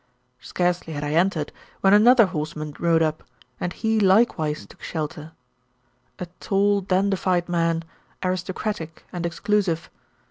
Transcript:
Scarcely had I entered, when another horsemen rode up, and he likewise took shelter a tall, dandified man, aristocratic and exclusive.